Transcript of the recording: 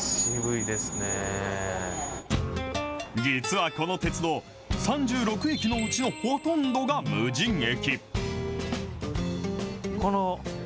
実はこの鉄道、３６駅のうちのほとんどが無人駅。